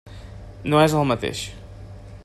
No és el mateix.